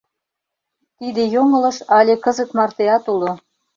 Тиде йоҥылыш але кызыт мартеат уло.